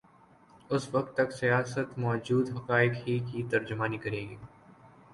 اس وقت تک سیاست موجود حقائق ہی کی ترجمانی کرے گی۔